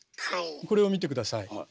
これを見て下さい。